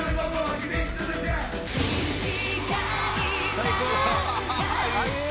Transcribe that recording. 最高。